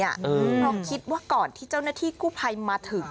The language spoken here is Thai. เพราะคิดว่าก่อนที่เจ้าหน้าที่กู้ภัยมาถึง